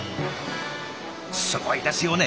すごいですよね。